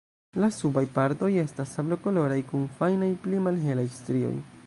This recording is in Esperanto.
La subaj partoj estas sablokoloraj kun fajnaj pli malhelaj strioj.